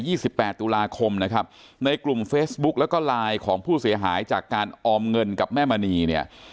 ี่สิบแปดตุลาคมนะครับในกลุ่มเฟซบุ๊กแล้วก็ไลน์ของผู้เสียหายจากการออมเงินกับแม่มณีเนี่ย